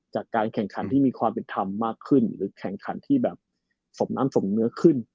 จากการแข่งขันที่มีความเป็นธรรมมากขึ้นหรือแข่งขันที่แบบสมน้ำสมเนื้อขึ้น